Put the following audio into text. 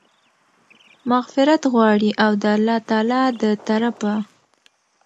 مغفرت غواړي، او د الله تعالی د طرفه